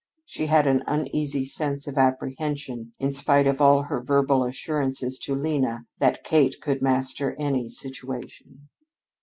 She had an uneasy sense of apprehension in spite of all her verbal assurances to Lena that Kate could master any situation.